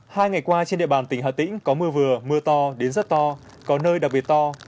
hai ngày qua trên địa bàn tỉnh hà tĩnh có mưa vừa mưa to đến rất to có nơi đặc biệt to